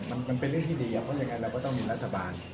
มันเป็นเรื่องที่ดีเพราะยังไงเราก็ต้องมีรัฐบาล